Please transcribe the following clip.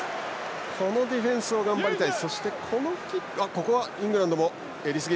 このディフェンスを頑張りたい。